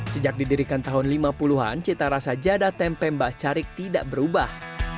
sejak didirikan tahun lima puluh an cita rasa jadah tempe mbah carik tidak berubah